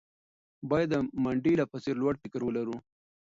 باید د منډېلا په څېر لوړ فکر ولرو.